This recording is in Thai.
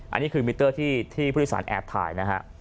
อันนี้คือมิเตอร์ที่ผู้โดยสารแอบถ่ายนะฮะ